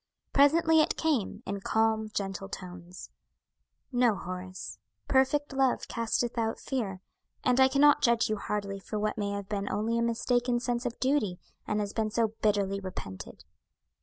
Presently it came, in calm, gentle tones; "No, Horace; 'perfect love casteth out fear,' and I cannot judge you hardly for what may have been only a mistaken sense of duty, and has been so bitterly repented."